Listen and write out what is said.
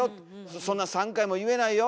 そんな３回も言えないよ。